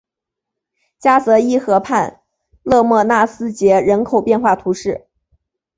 加泽伊河畔勒莫纳斯捷人口变化图示